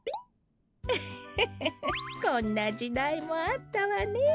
ウフフフフこんなじだいもあったわねえ。